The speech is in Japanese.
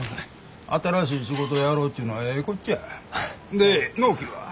で納期は？